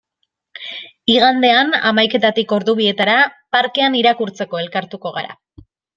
Igandean, hamaiketatik ordu bietara, parkean irakurtzeko elkartuko gara.